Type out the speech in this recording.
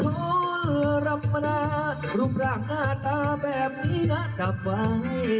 โทษรับมานานรูปร่างหน้าตาแบบนี้น่าจะไหว